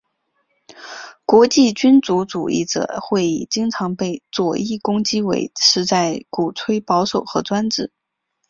国际君主主义者会议经常被左翼攻击为是在鼓吹保守和专制。